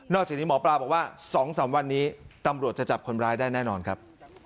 จากนี้หมอปลาบอกว่า๒๓วันนี้ตำรวจจะจับคนร้ายได้แน่นอนครับ